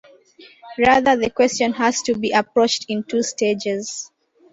Rather the question has to be approached in two stages.